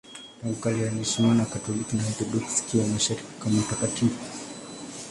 Tangu kale anaheshimiwa na Wakatoliki na Waorthodoksi wa Mashariki kama mtakatifu.